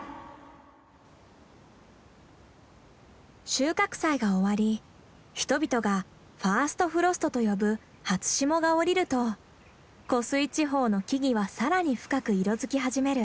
収穫祭が終わり人々がファーストフロストと呼ぶ初霜がおりると湖水地方の木々は更に深く色づき始める。